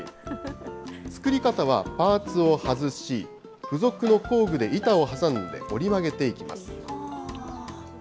作り方は、パーツを外し、付属の工具で板を挟んで、折り曲げていきます。